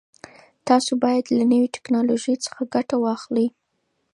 تاسو باید له نوي ټکنالوژۍ څخه ګټه واخلئ.